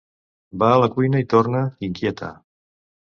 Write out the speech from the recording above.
Va a la cuina i torna, inquieta.